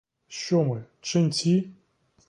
Що ми — ченці?